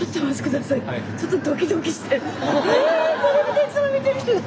テレビでいつも見てる人だ！